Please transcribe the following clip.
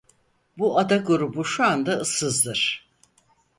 Bu ada grubu şu anda ıssızdır.